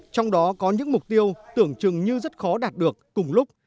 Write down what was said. trong đó có những mục tiêu tưởng chừng như rất khó đạt được cùng lúc